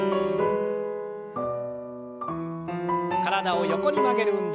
体を横に曲げる運動。